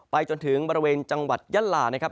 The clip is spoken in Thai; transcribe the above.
จนถึงบริเวณจังหวัดยะลานะครับ